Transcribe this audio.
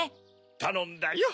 たのんだよ。